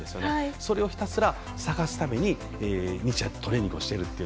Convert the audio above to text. それをひたすら探すために、日夜トレーニングをしているという。